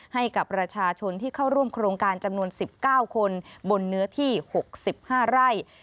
ให้กับประชาชนที่เข้าร่วมโครงการจำนวน๑๙คนบนเนื้อที่๖๕ไร่